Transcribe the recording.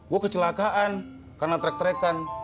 wah kecelakaan karena trek trekan